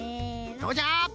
どうじゃ？